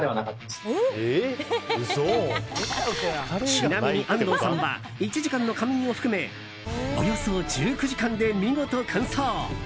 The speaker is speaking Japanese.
ちなみに安藤さんは１時間の仮眠を含めおよそ１９時間で見事完走。